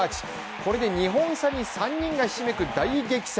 これで２本差に３人がひしめく大激戦。